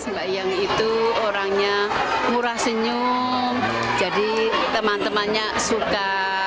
mbak yang itu orangnya murah senyum jadi teman temannya suka